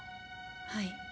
はい。